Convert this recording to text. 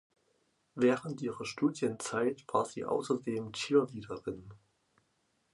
Während ihrer Studienzeit war sie außerdem Cheerleaderin.